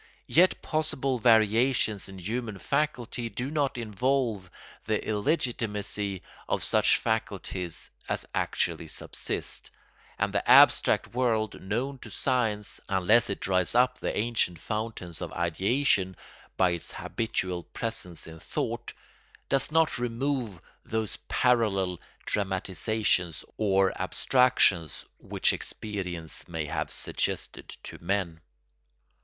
Yet possible variations in human faculty do not involve the illegitimacy of such faculties as actually subsist; and the abstract world known to science, unless it dries up the ancient fountains of ideation by its habitual presence in thought, does not remove those parallel dramatisations or abstractions which experience may have suggested to men.